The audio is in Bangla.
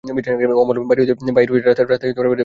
অমল বাড়ি হইতে বাহির হইয়া রাস্তায় বেড়াইতে লাগিল।